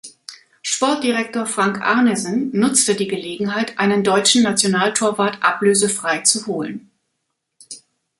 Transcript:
Sportdirektor Frank Arnesen nutzte die Gelegenheit, einen deutschen Nationaltorwart ablösefrei zu holen.